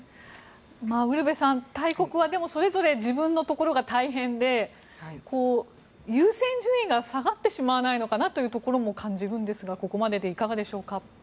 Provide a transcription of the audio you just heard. ウルヴェさん、大国はでもそれぞれ自分のところが大変で優先順位が下がってしまわないのかなというところも感じるんですがここまででいかがでしょうか。